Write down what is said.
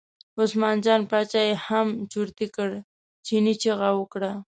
عثمان جان باچا یې هم چرتي کړ، چیني چغه وکړه.